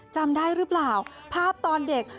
จำได้หรือเปล่าภาพตอนเด็ก